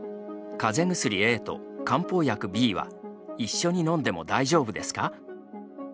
「かぜ薬Ａと漢方薬Ｂは一緒にのんでも大丈夫ですか？」